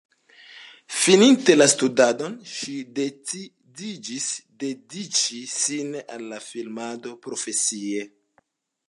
Fininte la studadon ŝi decidiĝis dediĉi sin al la filmado profesie.